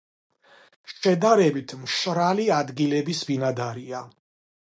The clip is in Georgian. შედარებით მშრალი ადგილების ბინადარია.